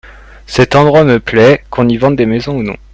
Cet endroit me plait, qu'on y vende des maisons ou non.